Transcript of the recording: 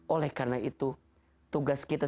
oleh karena itu tugas kita